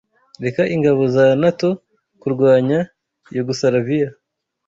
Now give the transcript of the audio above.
reka ingabo za NATO kurwanya Yugosilaviya